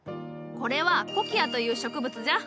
これはコキアという植物じゃ。